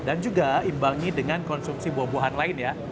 dan juga imbangi dengan konsumsi buah buahan lain ya